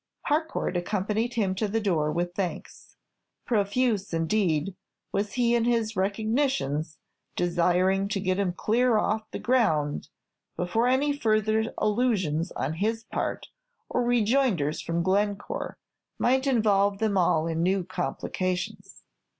Harcourt accompanied him to the door with thanks. Profuse, indeed, was he in his recognitions, desiring to get him clear off the ground before any further allusions on his part, or rejoinders from Glencore, might involve them all in new complications.